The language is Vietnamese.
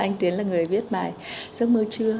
anh tiến là người viết bài giấc mơ trưa